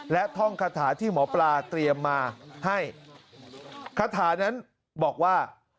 และท่องคาถาที่หมอปลาเตรียมมาให้คาถานั้นบอกว่า